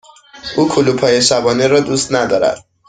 او کلوپ های شبانه را دوست ندارد.